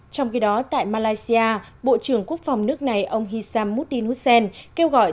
trong khi đó tại malaysia bộ trưởng quốc phòng nước này ông hisham moudin hussein kêu gọi